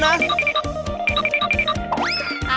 หลังไม่เจอแล้ว